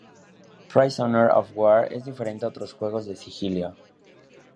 Prisoner of War es diferente a otros juegos de sigilo.